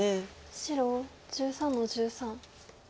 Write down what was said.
白１３の十三。